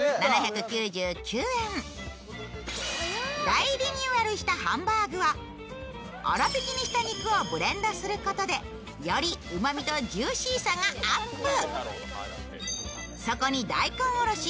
大リニューアルしたハンバーグは粗びきにした肉をブレンドすることでよりうまみとジューシーさがアップ。